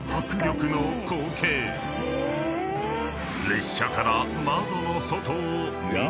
［列車から］